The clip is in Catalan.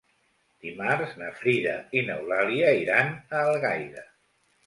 Dimarts na Frida i n'Eulàlia iran a Algaida.